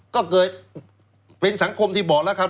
ก็เกิดเป็นสังคมที่บอกแล้วครับ